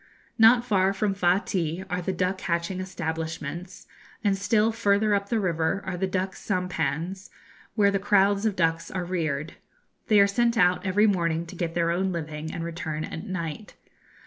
Not far from Fa ti are the duck hatching establishments, and still further up the river are the duck sampans, where the crowds of ducks are reared. They are sent out every morning to get their own living and return at night.